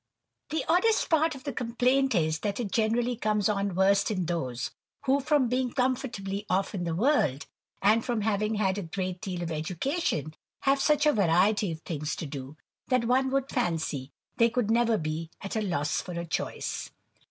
The oddest part of the complaint is, that it generally comes on worst in those who from being comfortably off in the world, and from having had a great deal of education, have such a variety of things to do, that one would fancy they could never be at a loss for a choice.